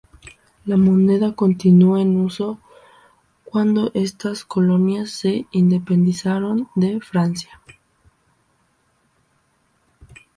La moneda continuó en uso cuando estas colonias se independizaron de Francia.